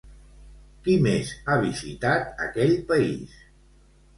Qui més ha visitat aquell país?